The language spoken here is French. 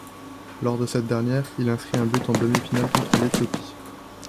Lors de cette dernière, il inscrit un but en demi-finale contre l'Éthiopie.